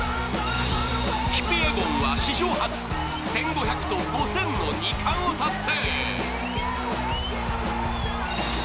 キピエゴンは史上初１５００と５０００の２冠を達成。